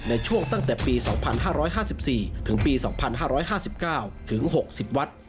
ในช่วงตั้งแต่ปี๒๕๕๔ถึงปี๒๕๕๙ถึง๖๐วัด